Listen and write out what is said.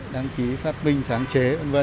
đăng ký phát minh sáng chế v v